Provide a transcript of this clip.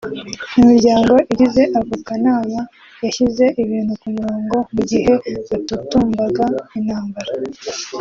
Imiryango igize ako kanama yashyize ibintu ku murongo mu gihe hatutumbaga intambara